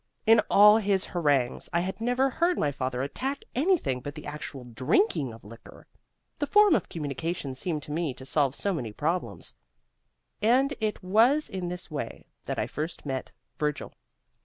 In all his harangues, I had never heard my Father attack anything but the actual DRINKING of liquor. This form of communication seemed to me to solve so many problems. And it was in this way that I first met Virgil."